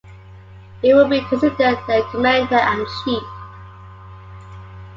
He would be considered their commander and chief.